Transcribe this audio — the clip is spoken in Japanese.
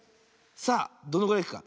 さあどのぐらいいくか。